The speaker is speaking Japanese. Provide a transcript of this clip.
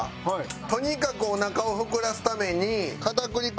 とにかくおなかを膨らすために片栗粉。